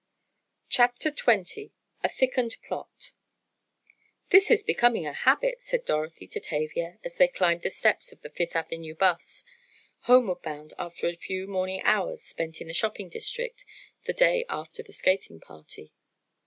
CHAPTER XX A THICKENED PLOT "This is becoming a habit," said Dorothy to Tavia, as they climbed the steps of the Fifth Avenue 'bus, homeward bound after a few morning hours spent in the shopping district, the day after the skating party.